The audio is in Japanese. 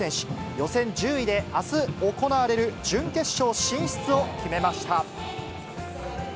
予選１０位で、あす行われる準決勝進出を決めました。